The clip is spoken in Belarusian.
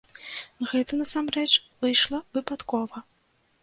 Гэта, насамрэч, выйшла выпадкова.